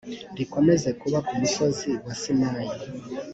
rikomeze kuba ku musozi wa sinayi